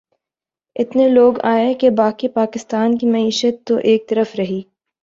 اتنے لوگ آئیں کہ باقی پاکستان کی معیشت تو ایک طرف رہی